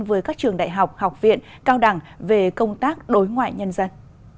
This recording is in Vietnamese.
với các trường đại học học viện cao đẳng về công tác đối ngoại nhân dân